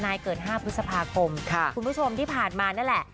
เกิด๕พฤษภาคมคุณผู้ชมที่ผ่านมานั่นแหละ